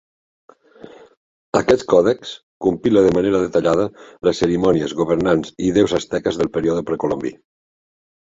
Aquest còdex compila de manera detallada les cerimònies, governants i déus asteques del període precolombí.